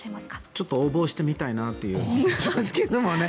ちょっと応募してみたいなという気がしますけどね。